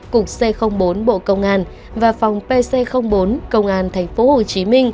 cục c bốn bộ công an và phòng pc bốn công an tp hcm